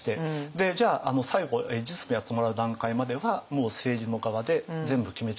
でじゃあ最後実務やってもらう段階まではもう政治の側で全部決め